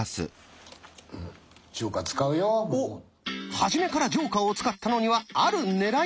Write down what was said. はじめからジョーカーを使ったのにはある狙いが。